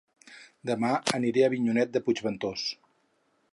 Dema aniré a Avinyonet de Puigventós